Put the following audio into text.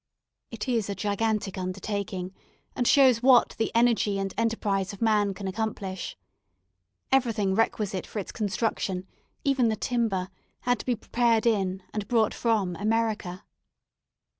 It is a gigantic undertaking, and shows what the energy and enterprise of man can accomplish. Everything requisite for its construction, even the timber, had to be prepared in, and brought from, America.